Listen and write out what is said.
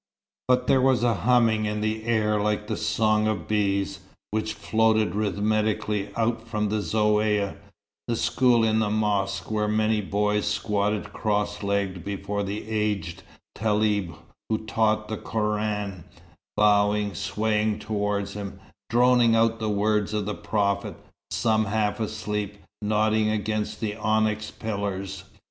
But there was a humming in the air like the song of bees, which floated rhythmically out from the zaouïa, the school in the mosque where many boys squatted cross legged before the aged Taleb who taught the Koran; bowing, swaying towards him, droning out the words of the Prophet, some half asleep, nodding against the onyx pillars.